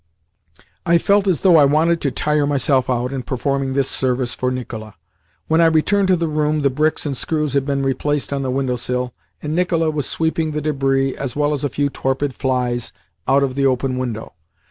I felt as though I wanted to tire myself out in performing this service for Nicola. When I returned to the room the bricks and screws had been replaced on the windowsill, and Nicola was sweeping the debris, as well as a few torpid flies, out of the open window.